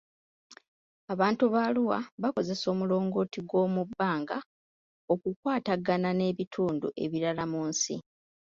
Abantu ba Arua baakozesa omulongooti gw'omubbanga okukwatagana n'ebitundu ebirala mu nsi.